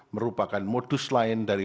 merupakan modus lain dari